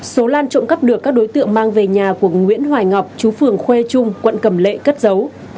số lan trộm cắp được các đối tượng mang về nhà của nguyễn hoài ngọc chú phường khuê trung quận cầm lệ cất dấu